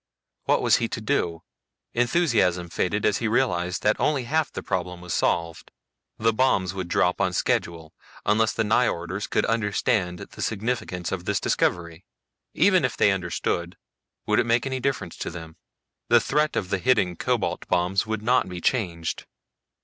What was he to do? Enthusiasm faded as he realized that only half of the problem was solved. The bombs would drop on schedule unless the Nyjorders could understand the significance of this discovery. Even if they understood, would it make any difference to them? The threat of the hidden cobalt bombs would not be changed.